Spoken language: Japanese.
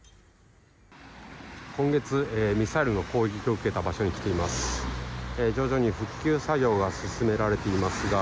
今月、ミサイルの攻撃を受けた場所に来ています。